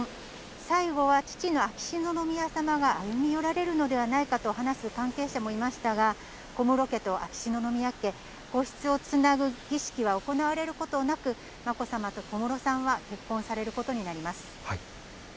最後は父の秋篠宮さまが歩み寄られるのではないかと話す関係者もいましたが、小室家と秋篠宮家、皇室をつなぐ儀式は行われることなく、まこさまと小室さんは結婚されることになります。